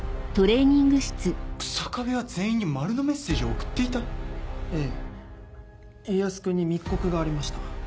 ・日下部は全員に「○」のメッセージを送っていた⁉・ええ家康君に密告がありました。